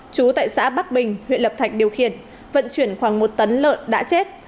chú tại xã bắc bình huyện lập thạch điều khiển vận chuyển khoảng một tấn lợn đã chết